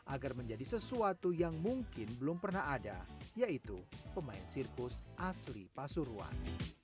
agar menjadi sesuatu yang mungkin belum pernah ada yaitu pemain sirkus asli pasuruan